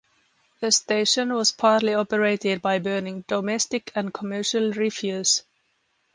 The station was partly operated by burning domestic and commercial refuse.